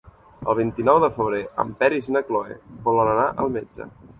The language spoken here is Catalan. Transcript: El vint-i-nou de febrer en Peris i na Cloè volen anar al metge.